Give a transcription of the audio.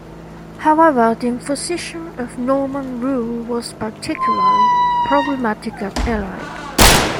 However the imposition of Norman rule was particularly problematic at Ely.